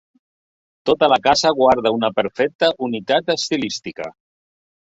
Tota la casa guarda una perfecta unitat estilística.